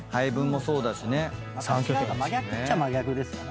真逆っちゃ真逆ですから。